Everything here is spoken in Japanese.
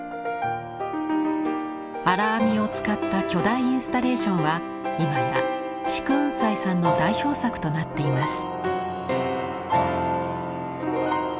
「荒編み」を使った巨大インスタレーションは今や竹雲斎さんの代表作となっています。